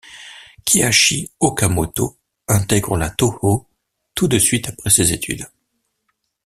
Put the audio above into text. Kihachi Okamoto intègre la Tōhō tout de suite après ses études.